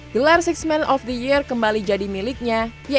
gelar sixth man of the year kembali jadi milik prastawa